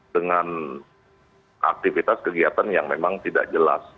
dengan aktivitas kegiatan yang memang tidak jelas